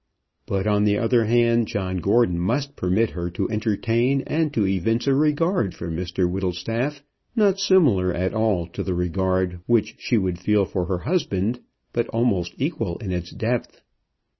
But on the other hand, John Gordon must permit her to entertain and to evince a regard for Mr Whittlestaff, not similar at all to the regard which she would feel for her husband, but almost equal in its depth.